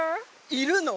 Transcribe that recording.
いるの？